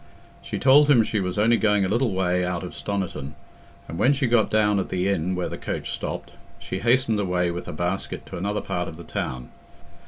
She told him she was only going a little way out of Stoniton, and when she got down at the inn where the coach stopped, she hastened away with her basket to another part of the town.